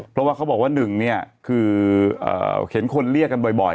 เพราะว่าเขาบอกว่าหนึ่งเนี่ยคือเห็นคนเรียกกันบ่อย